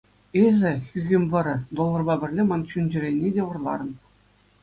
Эсӗ, хӳхӗм вӑрӑ, долларпа пӗрле ман чун-чӗрене те вӑрларӑн.